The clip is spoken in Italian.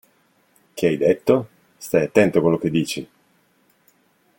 Che hai detto? Stai attento a quello che dici!